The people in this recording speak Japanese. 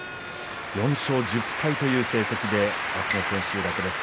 ４勝１０敗という成績で明日の千秋楽です。